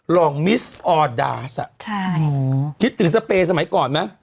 รองมิสออดาสคิดถึงสเปย์สมัยก่อนไหม